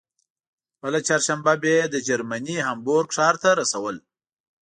بله چهارشنبه به یې د جرمني هامبورګ ښار ته رسول.